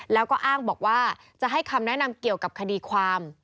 แล้วก็อ้างบอกว่าจะให้คำแนะนำเกี่ยวกับคดีความ